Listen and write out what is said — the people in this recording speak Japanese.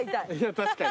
確かに。